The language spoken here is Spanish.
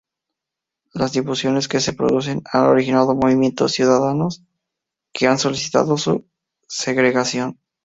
Las disfunciones que se producen ha originado movimientos ciudadanos que han solicitado su segregación.